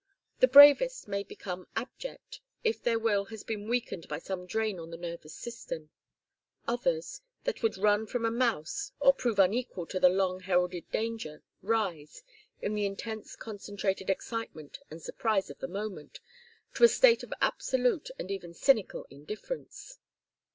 The bravest may become abject, if their will has been weakened by some drain on the nervous system; others, that would run from a mouse or prove unequal to the long heralded danger, rise, in the intense concentrated excitement and surprise of the moment, to a state of absolute and even cynical indifference.